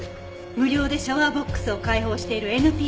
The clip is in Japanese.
「無料でシャワーボックスを開放しているＮＰＯ法人」